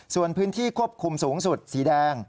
ส่วนพื้นที่ควบคุมสูงสุดสีแดง